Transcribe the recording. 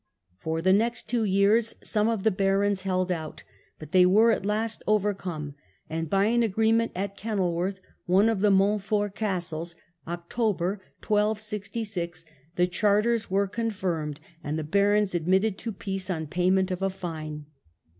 For the next two years some of the barons held out, but they were at last overcome, and by an agreement at Kenilworth (one of the Montfort's castles), October, 1266, the charters were confirmed, and the barons ad mitted to peace on payment of a fine.